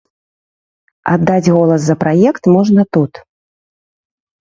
Аддаць голас за праект можна тут.